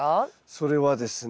それはですね